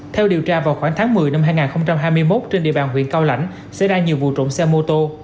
theo điều tra vào khoảng tháng một mươi năm hai nghìn hai mươi một trên địa bàn huyện cao lãnh xảy ra nhiều vụ trộm xe mô tô